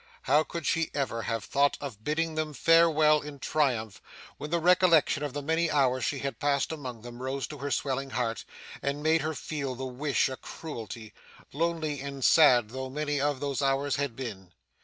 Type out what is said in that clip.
How could she ever have thought of bidding them farewell in triumph, when the recollection of the many hours she had passed among them rose to her swelling heart, and made her feel the wish a cruelty: lonely and sad though many of those hours had been!